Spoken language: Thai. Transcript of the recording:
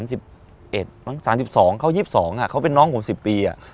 มั้ง๓๒เขา๒๒เขาเป็นน้องผม๑๐ปี